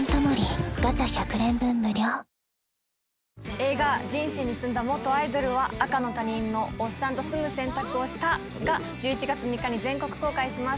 映画、人生に詰んだ元アイドルは赤の他人のおっさんと選択をしたが１１月３日に全国公開します。